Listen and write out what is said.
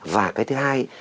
và cái thứ hai